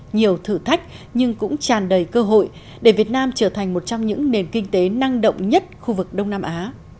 nhiều thử thách nhưng cũng tràn đầy cơ hội để việt nam trở thành một trong những nền kinh tế năng động nhất khu vực đông nam á